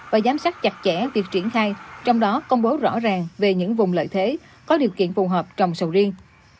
và giám sát chặt chẽ việc triển khai trong đó công bố rõ ràng về những vùng lợi thế có điều kiện phù hợp trồng sầu riêng